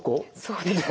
そうですね。